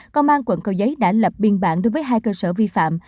công an quận cầu giấy đã lập biên bản đối với hai cơ sở vi phạm